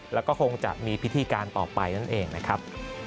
แล้วก็คงจะมีพิธีการต่อไปนั่นเองนะครับ